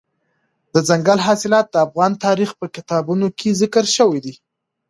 دځنګل حاصلات د افغان تاریخ په کتابونو کې ذکر شوي دي.